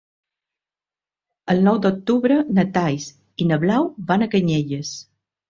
El nou d'octubre na Thaís i na Blau van a Canyelles.